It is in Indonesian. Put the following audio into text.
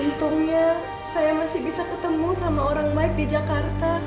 untungnya saya masih bisa ketemu sama orang mike di jakarta